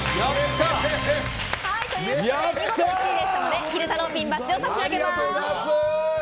見事１位でしたので昼太郎ピンバッジを差し上げます。